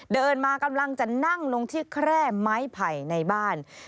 เดินมากำลังจะนั่งลงที่แคร่ไม้ไผ่ในบ้าน